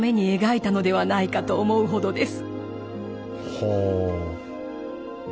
ほう。